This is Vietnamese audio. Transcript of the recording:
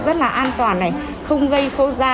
rất là an toàn không gây khô da